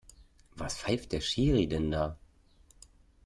Was pfeift der Schiri denn da?